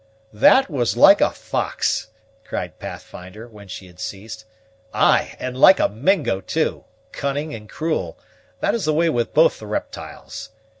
"That was like a fox!" cried Pathfinder, when she had ceased; "ay, and like a Mingo, too, cunning and cruel; that is the way with both the riptyles.